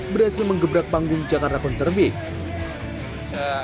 berhasil mengebrak panggung jakarta concer week